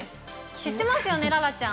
知ってますよね、楽々ちゃん。